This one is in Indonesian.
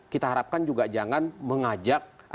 kita harapkan juga jangan mengajak